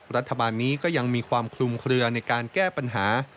รัฐบาลนี้ก็ยังมีความคลุมเคลือในการแก้ปัญหา